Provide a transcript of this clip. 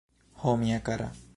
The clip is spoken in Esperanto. Ho, mia kara!